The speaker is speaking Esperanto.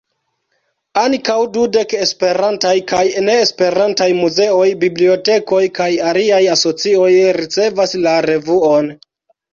Ankaŭ dudek Esperantaj kaj ne-Esperantaj muzeoj, bibliotekoj kaj aliaj asocioj ricevas la revuon.